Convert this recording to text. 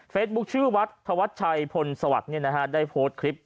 เฟซบุ๊กชื่อวัดถวัดชัยพลสวัสดิ์เนี่ยนะฮะได้โพสต์คลิป